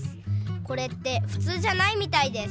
これってふつうじゃないみたいです。